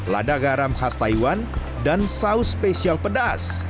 lada garam khas taiwan dan saus spesial pedas